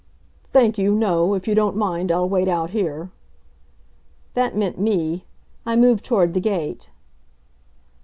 "Thank you no. If you don't mind, I'll wait out here." That meant me. I moved toward the gate.